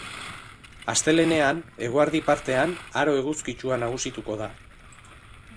Astelehenean, eguerdi partean aro eguzkitsua nagusituko da.